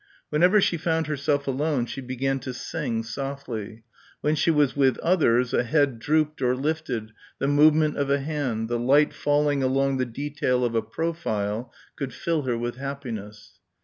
Whenever she found herself alone she began to sing, softly. When she was with others a head drooped or lifted, the movement of a hand, the light falling along the detail of a profile could fill her with happiness.